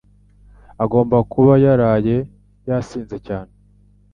Agomba kuba yaraye yasinze cyane.